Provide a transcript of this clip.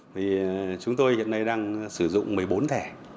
thì chúng tôi hiện nay đang sử dụng một mươi bốn thẻ